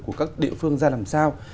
của các địa phương ra làm sao